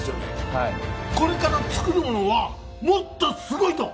はいこれから作るものはもっとすごいと？